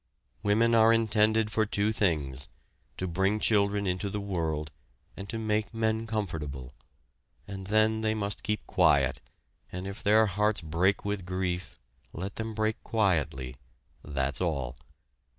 Women are intended for two things, to bring children into the world and to make men comfortable, and then they must keep quiet and if their hearts break with grief, let them break quietly that's all.